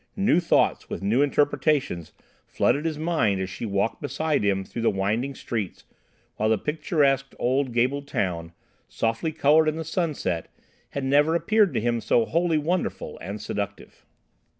New thoughts, with new interpretations, flooded his mind as she walked beside him through the winding streets, while the picturesque old gabled town, softly coloured in the sunset, had never appeared to him so wholly wonderful and seductive.